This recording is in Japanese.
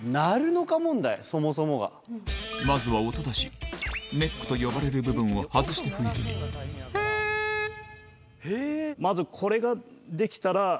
まずは音出し「ネック」と呼ばれる部分を外して吹いてみるまず。